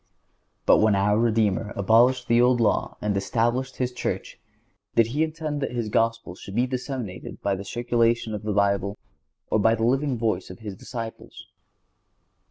But when our Redeemer abolished the Old Law and established His Church, did He intend that His Gospel should be disseminated by the circulation of the Bible, or by the living voice of His disciples?